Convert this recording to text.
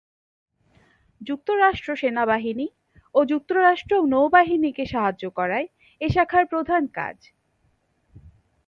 যুক্তরাষ্ট্র সেনাবাহিনী ও যুক্তরাষ্ট্র নৌবাহিনীকে সাহায্য করাই এ শাখার প্রধান কাজ।